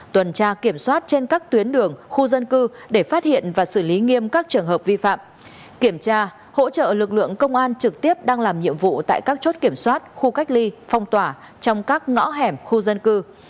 tuần tra kiểm soát trên các tuyến đường khu dân cư để phát hiện và xử lý nghiêm các trường hợp vi phạm kiểm tra hỗ trợ lực lượng công an trực tiếp đang làm nhiệm vụ tại các chốt kiểm soát khu cách ly phong tỏa trong các ngõ hẻm khu dân cư